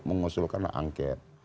mengusulkan hak angket